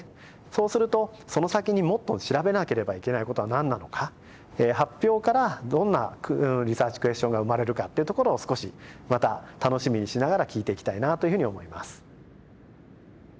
そうするとその先にもっと調べなければいけないことは何なのか発表からどんなリサーチクエスチョンが生まれるかというところを少しまた楽しみにしながら聞いていきたいなというふうに思います。